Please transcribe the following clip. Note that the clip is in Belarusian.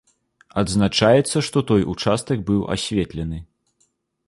Адзначаецца, што той участак быў асветлены.